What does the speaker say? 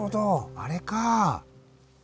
あれか。